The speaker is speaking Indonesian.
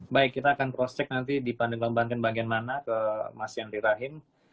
baik kita akan proscek nanti di pandagelang banten bagian mana ke mas yandri rahim